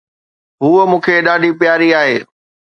ھوءَ مون کي ڏاڍي پياري آھي.